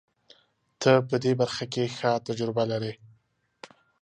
ته په دې برخه کې ښه تجربه لرې.